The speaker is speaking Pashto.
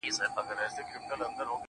لـــكــه ښـــه اهـنـــگ.